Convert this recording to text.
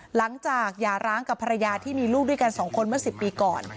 หย่าร้างกับภรรยาที่มีลูกด้วยกัน๒คนเมื่อ๑๐ปีก่อน